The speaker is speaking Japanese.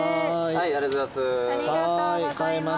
ありがとうございます。